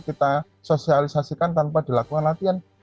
kita sosialisasikan tanpa dilakukan latihan